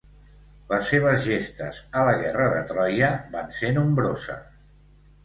Les seves gestes a la guerra de Troia van ser nombroses.